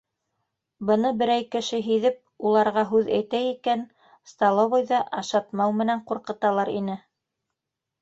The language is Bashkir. Быны берәй кеше һиҙеп, уларға һүҙ әйтә икән, столовойҙа ашатмау менән ҡурҡыталар ине.